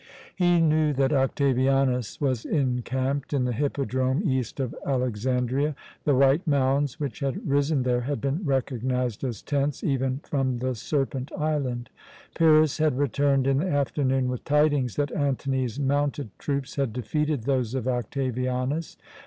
He knew that Octavianus was encamped in the Hippodrome east of Alexandria. The white mounds which had risen there had been recognized as tents, even from the Serpent Island. Pyrrhus had returned in the afternoon with tidings that Antony's mounted troops had defeated those of Octavianus.